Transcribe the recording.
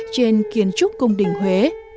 trên kiến trúc cung đình huế